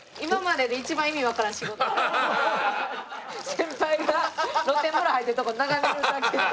先輩が露天風呂入ってるとこ眺めるだけっていう。